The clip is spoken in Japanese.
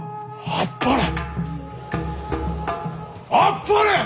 あっぱれ。